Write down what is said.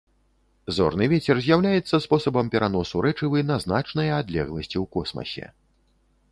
Зорны вецер з'яўляецца спосабам пераносу рэчывы на значныя адлегласці ў космасе.